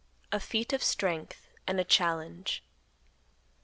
A FEAT OF STRENGTH AND A CHALLENGE.